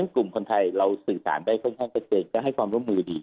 กลุ่มคนไทยเราสื่อสารได้ค่อนข้างชัดเจนก็ให้ความร่วมมือดี